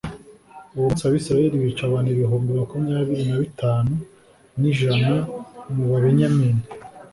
uwo munsi abayisraheli bica abantu ibihumbi makumyabiri na bitanu n'ijana mu babenyamini